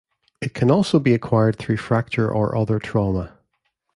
It can also be acquired through fracture or other trauma.